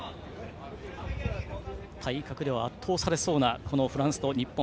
体格では圧倒されそうなフランスと日本。